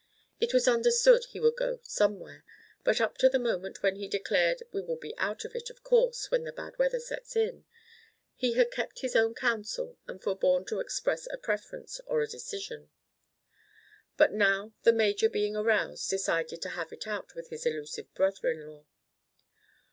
It was understood he would go somewhere, but up to the moment when he declared "we will be out of it, of course, when the bad weather sets in," he had kept his own counsel and forborne to express a preference or a decision. But now the major, being aroused, decided to "have it out" with his elusive brother in law.